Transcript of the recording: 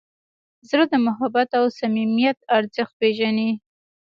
زړه د محبت او صمیمیت ارزښت پېژني.